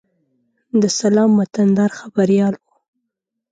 د سلام وطندار خبریال و.